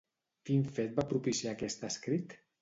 Quin fet va propiciar aquest escrit?